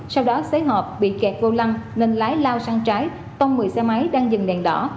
sau đó xấy họp bị kẹt vô lăng nên lái lao sang trái tông một mươi xe máy đang dừng đèn đỏ